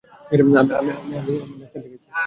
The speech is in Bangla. আমি ডাক্তার ডাকছি।